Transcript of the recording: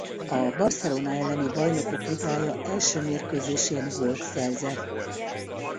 A Barcelona elleni Bajnokok Ligája első mérkőzésén gólt szerzett.